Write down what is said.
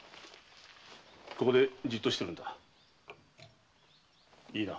ここでじっとしてるんだ。いいな？